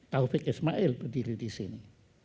taufik ismail berdiri disini